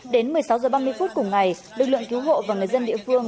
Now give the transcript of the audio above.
đến một mươi sáu h ba mươi phút cùng ngày lực lượng cứu hộ và người dân địa phương